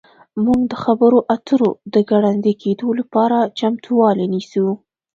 موږ د خبرو اترو د ګړندي کیدو لپاره چمتووالی نیسو